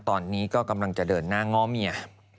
ตอนนี้ก็กำลังจะเดินหน้าง้อเมีย